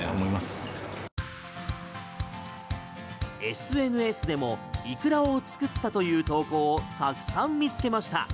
ＳＮＳでもイクラを作ったという投稿をたくさん見つけました。